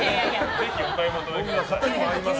ぜひ、お買い求めください。